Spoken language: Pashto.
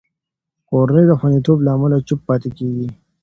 کورنۍ د خوندیتوب له امله چوپ پاتې کېږي.